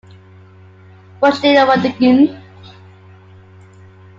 Buch der Wendungen.